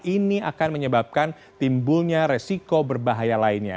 ini akan menyebabkan timbulnya resiko berbahaya lainnya